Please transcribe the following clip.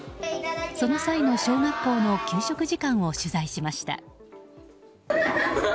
その際の小学校の給食時間を取材しました。